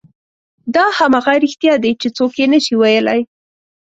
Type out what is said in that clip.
دا همغه رښتیا دي چې څوک یې نه شي ویلی.